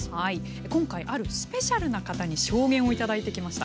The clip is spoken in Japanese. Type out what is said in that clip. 今回あるスペシャルな方に証言をいただいてきました。